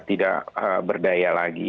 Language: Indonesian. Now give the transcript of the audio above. tidak berdaya lagi